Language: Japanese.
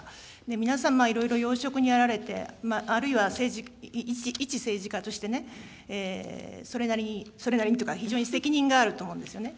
皆様、いろいろ要職にあられて、あるいは、一政治家としてね、それなりに、それなりにというか、非常に責任があると思うんですよね。